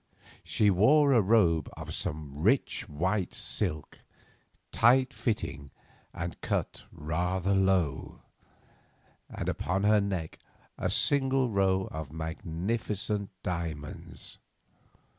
She wore a robe of some rich white silk, tight fitting and cut rather low, and upon her neck a single row of magnificent diamonds.